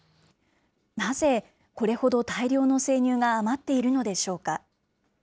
なぜこれほど大量の生乳が余っているのでしょうか。